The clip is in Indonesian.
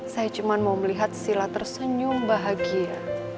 saya cuma mau melihat sila tersenyum bahagia